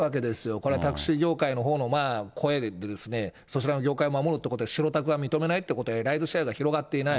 これはタクシー業界のほうの声でですね、そちらの業界を守るということで、白タクは認めないってことで、ライドシェアが広がっていない。